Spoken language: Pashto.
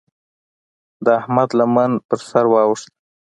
د احمد لمن پر سر واوښته.